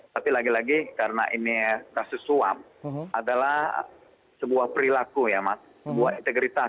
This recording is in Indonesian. tapi lagi lagi karena ini kasus suap adalah sebuah perilaku ya mas sebuah integritas